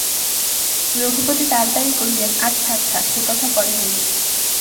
রঘুপতি তাড়াতাড়ি কহিলেন –আচ্ছা, আচ্ছা, সেকথা পরে হইবে।